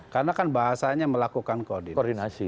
karena kan bahasanya melakukan koordinasi